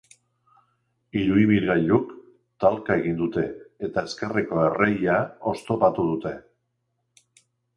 Hiru ibilgailuk talka egin dute eta ezkerreko erreia oztopatu dute.